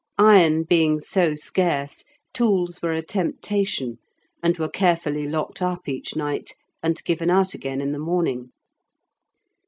Iron being so scarce, tools were a temptation, and were carefully locked up each night, and given out again in the morning.